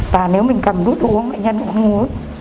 và nếu mình cầm nút uống bệnh nhân cũng không uống